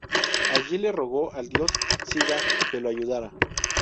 Allí le rogó al dios Sivá que lo ayudara.